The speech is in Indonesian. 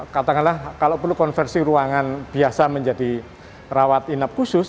katakanlah kalau perlu konversi ruangan biasa menjadi rawat inap khusus